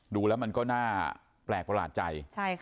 ดูแล้วมันก็น่าแปลกประหลาดใจ